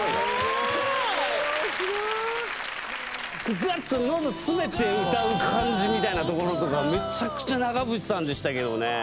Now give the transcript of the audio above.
すごい。ぐっとのど詰めて歌う感じみたいなところとか、めちゃくちゃ長渕さんでしたけどね。